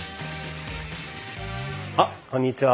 あこんにちは。